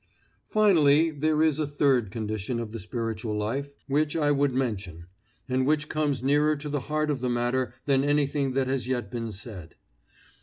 Finally, there is a third condition of the spiritual life which I would mention, and which comes nearer to the heart of the matter than anything that has yet been said.